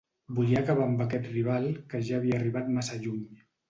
Volia acabar amb aquest rival que ja havia arribat massa lluny.